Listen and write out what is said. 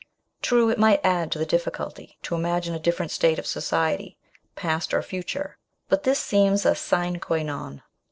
True, it might add to the difficulty to imagine a different state of society, past or future, but this seems a sine qua non.